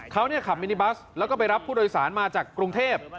เขาขับมินิบัสแล้วก็ไปรับผู้โดยสารมาจากกรุงเทพ